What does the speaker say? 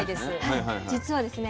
実はですね